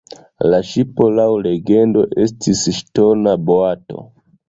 La ŝipo laŭ legendo estis “ŝtona boato”.